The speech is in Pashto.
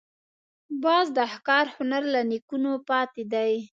باز د ښکار هنر له نیکونو پاتې دی